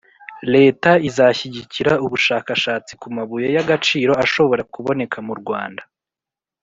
leta izashyigikira ubushakashatsi ku mabuye y'agaciro ashobora kuboneka mu rwanda